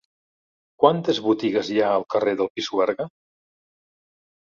Quines botigues hi ha al carrer del Pisuerga?